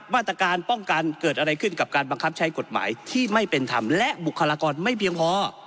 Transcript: มาตรการป้องกันเกิดอะไรขึ้นกับการบังคับใช้กฎหมายที่ไม่เป็นธรรมและบุคลากรไม่เพียงพอ